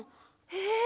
え？